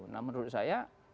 nah menurut saya